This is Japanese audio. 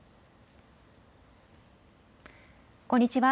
こんにちは。